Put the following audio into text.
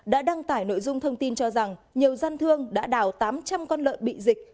đã đăng tải nội dung thông tin cho rằng nhiều gian thương đã đào tám trăm linh con lợn bị dịch